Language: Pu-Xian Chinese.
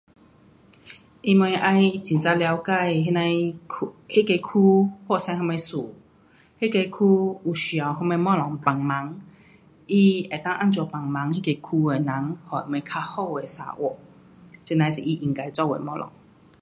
他们要很呀了解那样的区，那个区发生什么事，那个区有需要什么东西帮忙，它能够怎样帮忙那个区的人，给他们较好的生活。这样是他应该做的东西。